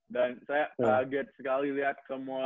dan saya kaget sekali liat semua